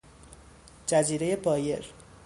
جزیرهی بایر